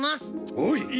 おい！